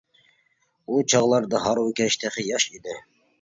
ئۇ چاغلاردا ھارۋىكەش تېخى ياش ئىدى.